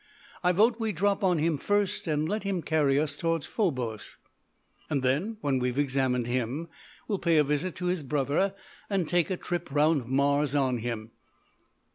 I vote we drop on him first and let him carry us towards Phobos. And then when we've examined him we'll pay a visit to his brother and take a trip round Mars on him.